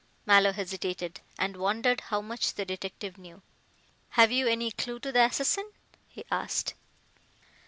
Mallow hesitated, and wondered how much the detective knew. "Have you any clue to the assassin?" he asked.